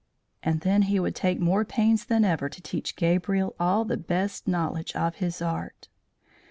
And then he would take more pains than ever to teach Gabriel all the best knowledge of his art.